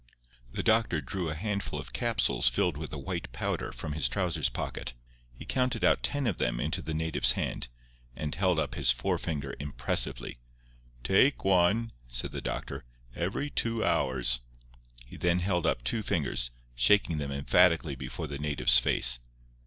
The doctor drew a handful of capsules filled with a white powder from his trousers pocket. He counted out ten of them into the native's hand, and held up his forefinger impressively. "Take one," said the doctor, "every two hours." He then held up two fingers, shaking them emphatically before the native's face.